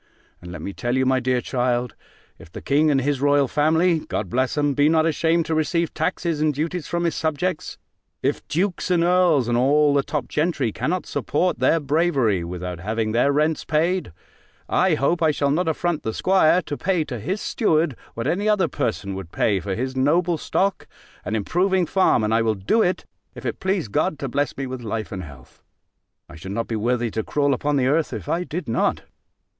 And let me tell you, my dear child, if the king and his royal family (God bless 'em!) be not ashamed to receive taxes and duties from his subjects; if dukes and earls, and all the top gentry, cannot support their bravery, without having their rents paid; I hope I shall not affront the 'squire, to pay to his steward, what any other person would pay for his noble stock, and improving farm: and I will do it, if it please God to bless me with life and health. I should not be worthy to crawl upon the earth, if I did not.